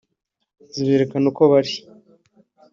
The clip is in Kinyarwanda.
ziberekana uko bari